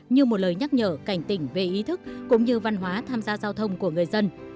như một lời nhắc nhở cảnh tỉnh về ý thức cũng như văn hóa tham gia giao thông của người dân